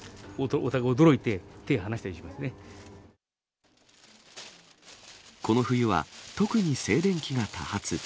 お互い驚いて、手を離したりしまこの冬は、特に静電気が多発。